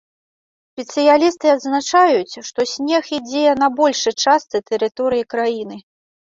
Спецыялісты адзначаюць, што снег ідзе на большай частцы тэрыторыі краіны.